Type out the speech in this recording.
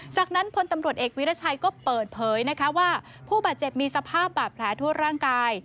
จากนั้นพลตำรวจเอกวิรัชัยก็เปิดเผยนะคะว่าผู้บาดเจ็บมีสภาพบาดแผลทั่วร่างกาย